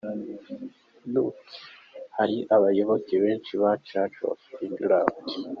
Look! Hari abayoboke benshi ba church of England.